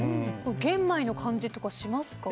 玄米の感じとかしますか？